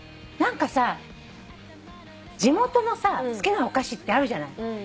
何かさ地元のさ好きなお菓子ってあるじゃない。